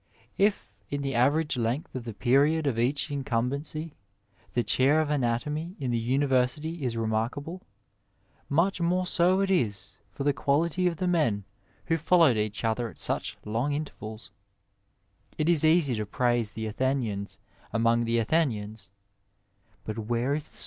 If in the average length of the period of each incumbency the chair of anatomy in the University is remarkable, much more so is it for the quality of the men who followed each other at such long intervals: It is easy to praise the Athenians among the Athenians, but where is the scfaod AX.